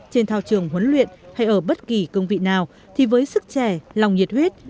trên thao trường huấn luyện hay ở bất kỳ cương vị nào thì với sức trẻ lòng nhiệt huyết